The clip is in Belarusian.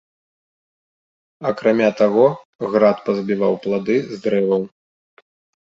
Акрамя таго, град пазбіваў плады з дрэваў.